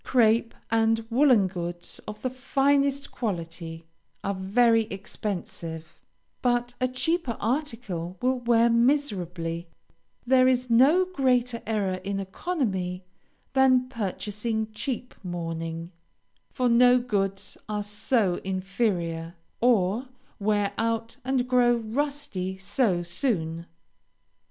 Crape and woolen goods of the finest quality are very expensive, but a cheaper article will wear miserably; there is no greater error in economy than purchasing cheap mourning, for no goods are so inferior, or wear out and grow rusty so soon.